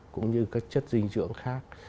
cũng như các chất dinh dưỡng khác